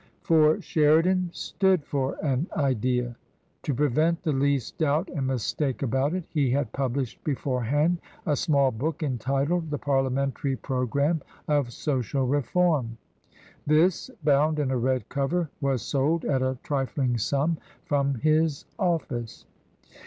For Sheridan stood for an Idea. To prevent the least doubt and mistake about it, he had published before hand a small book entitled the " Parliamentary Pro gramme of Social Reform" ; this, bound in a Red cover, was sold at a trifling sum from his office.